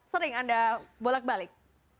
sering anda bolak balik